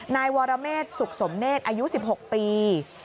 นายวรเมษสุขสมเนธอายุ๑๖ปี